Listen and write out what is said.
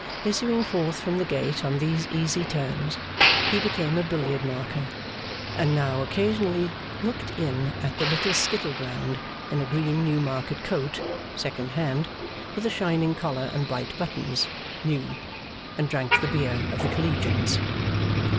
Issuing forth from the gate on these easy terms, he became a billiard marker; and now occasionally looked in at the little skittle ground in a green Newmarket coat (second hand), with a shining collar and bright buttons (new), and drank the beer of the Collegians.